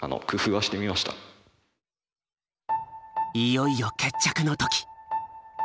いよいよ決着の時。